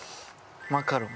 マカロン。